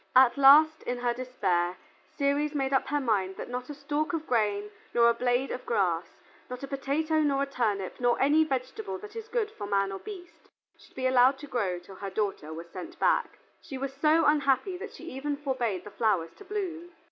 At last, in her despair, Ceres made up her mind that not a stalk of grain, nor a blade of grass, not a potato, nor a turnip, nor any vegetable that is good for man or beast, should be allowed to grow till her daughter was sent back. She was so unhappy that she even forbade the flowers to bloom.